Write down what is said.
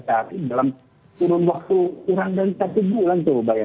terakhir dalam kurang dari satu bulan